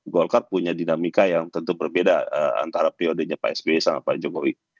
golkar punya dinamika yang tentu berbeda antara periodenya pak sby sama pak jokowi